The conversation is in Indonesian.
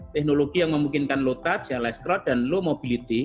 teknologi yang memungkinkan low touch low mobility